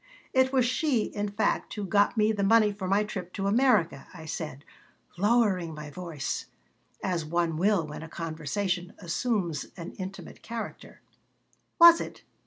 "It was she, in fact, who got me the money for my trip to America," I said, lowering my voice, as one will when a conversation assumes an intimate character "Was it?"